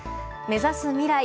目指す未来。